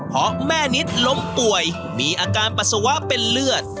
เพราะแม่นิดล้มป่วยมีอาการปัสสาวะเป็นเลือด